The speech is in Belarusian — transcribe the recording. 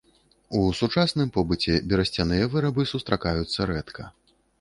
У сучасным побыце берасцяныя вырабы сустракаюцца рэдка.